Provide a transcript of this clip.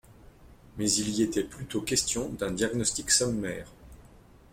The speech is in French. Mais il y était plutôt question d’un diagnostic sommaire.